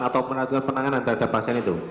atau melakukan penanganan terhadap pasien itu